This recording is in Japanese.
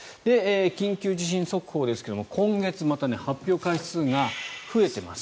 緊急地震速報ですけども今月、また発表回数が増えています。